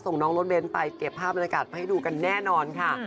น้องรถเบ้นไปเก็บภาพบรรยากาศมาให้ดูกันแน่นอนค่ะ